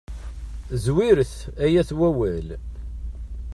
Zwiret, ay at wawal.